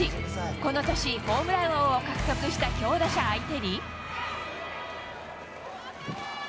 この年、ホームラン王を獲得した強打者相手に。